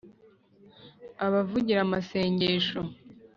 abavugira amasengesho.